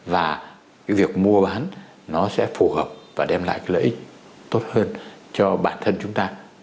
và cái việc mua bán nó sẽ phù hợp và đem lại cái lợi ích tốt hơn cho bản thân chúng ta